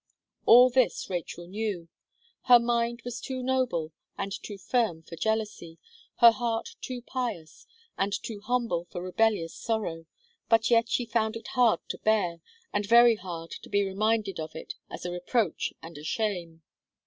All this Rachel knew. Her mind was too noble, and too firm for jealousy; her heart too pious, and too humble for rebellious sorrow; but yet she found it hard to bear, and very hard to be reminded of it as a reproach and a shame.